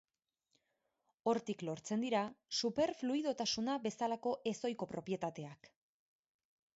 Hortik lortzen dira superfluidotasuna bezalako ez ohiko propietateak.